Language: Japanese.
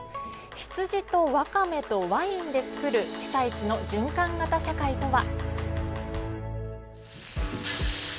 羊とワカメとワインで作る被災地の循環型社会とは。